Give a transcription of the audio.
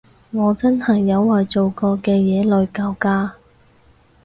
我真係有為做過嘅嘢內疚㗎